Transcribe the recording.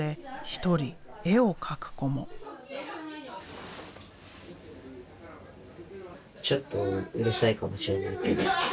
ちょっとうるさいかもしれないけど楽しいです。